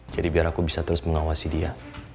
jadi biar aku bisa terus mengawasi dia